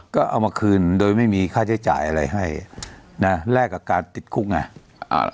ก็เอามาคืนโดยไม่มีค่าใช้จ่ายอะไรให้นะแลกกับการติดคุกไงอ่า